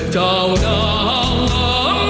chào đón bác ơi